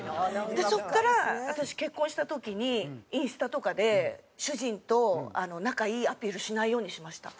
そこから私結婚した時にインスタとかで主人と仲いいアピールしないようにしました。